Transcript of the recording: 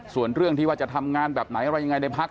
ส่วนเรื่องที่ว่าจะทำงานแบบไหนอะไรยังไงในพัก